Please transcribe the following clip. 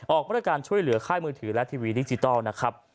มาตรการช่วยเหลือค่ายมือถือและทีวีดิจิทัลนะครับ